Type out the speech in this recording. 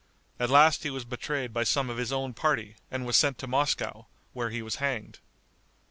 At last he was betrayed by some of his own party, and was sent to Moscow, where he was hanged.